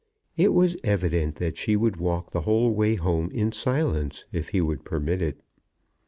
It was evident that she would walk the whole way home in silence, if he would permit it.